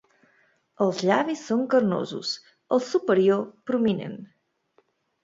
Els llavis són carnosos, el superior prominent.